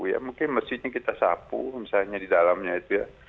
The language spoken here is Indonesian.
ya mungkin mesinnya kita sapu misalnya di dalamnya itu ya